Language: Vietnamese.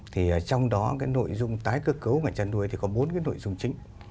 thì trong đó cái nội dung tái cơ cấu ngành chăn nuôi thì có bốn cái nội dung chính